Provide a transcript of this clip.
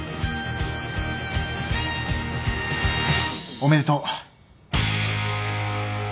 おめでとう。